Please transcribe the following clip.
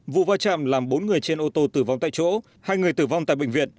vụ va chạm làm bốn người trên ô tô tử vong tại chỗ hai người tử vong tại bệnh viện